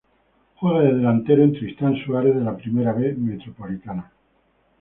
Juega de delantero en Tristán Suárez de la Primera B Metropolitana.